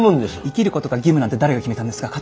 生きることが義務なんて誰が決めたんですか？